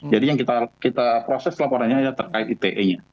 jadi yang kita proses laporannya terkait ite nya